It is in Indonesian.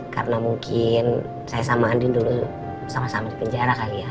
karena mungkin saya sama andin dulu sama sama di penjara kali ya